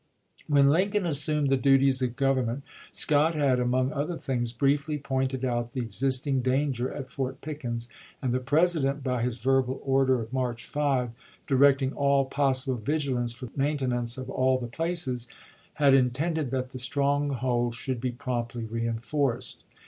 When Lincoln assumed the duties of govern ment, Scott had among other things briefly pointed out the existing danger at Fort Pickens, and the President by his verbal order of March 5, directing " all possible vigilance for the maintenance of all the places," had intended that that stronghold should be promptly reenforced.